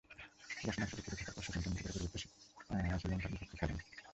দশ মাস উপেক্ষিত থাকার পর শচীন তেন্ডুলকরের পরিবর্তে শ্রীলঙ্কার বিপক্ষে খেলেন।